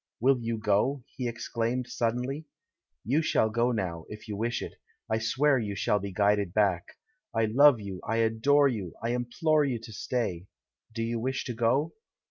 "Will you go?" he exclaimed, suddenly. "You shall go now, if you wish it; I swear you shall be guided back. I love you, I adore you, I implore you to stay! Do you wish to go?"